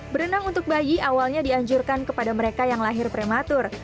berenang untuk bayi awalnya dianjurkan kepada mereka yang lahir prematur